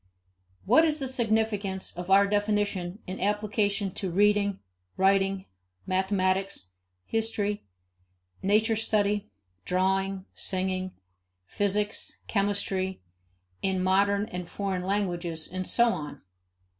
What is the significance of our definition in application to reading, writing, mathematics, history, nature study, drawing, singing, physics, chemistry, modern and foreign languages, and so on?